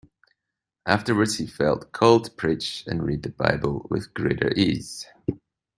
Afterwards he felt called to preach and read the Bible with greater ease.